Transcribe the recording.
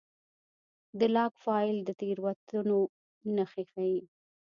دا لاګ فایل د تېروتنو نښې ښيي.